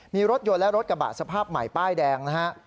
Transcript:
มีรถยนต์และรถกระบะสภาพใหม่ป้ายแดงนะฮะ